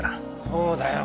そうだよ。